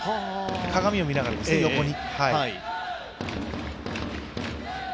鏡を見ながらですね、横に。